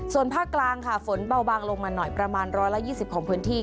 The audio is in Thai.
ส่วนภาคกลางค่ะฝนเบาบางลงมาหน่อยประมาณ๑๒๐ของพื้นที่